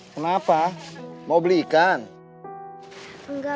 jangan berteriak soal kerja